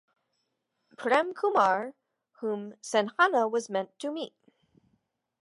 Prem Kumar, whom Sanjana was meant to meet.